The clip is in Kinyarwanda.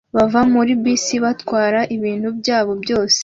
bava muri bisi batwara ibintu byabo byose